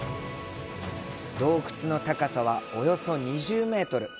洞窟の高さは、およそ２０メートル。